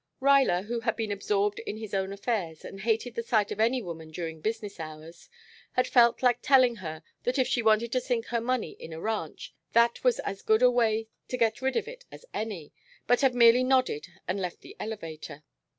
Ruyler, who had been absorbed in his own affairs and hated the sight of any woman during business hours, had felt like telling her that if she wanted to sink her money in a ranch, that was as good a way to get rid of it as any, but had merely nodded and left the elevator.